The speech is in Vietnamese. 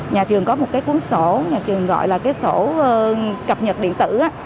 nhà trường có một cuốn sổ nhà trường gọi là sổ cập nhật điện tử